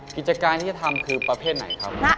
กิจการที่จะทำคือประเภทไหนครับ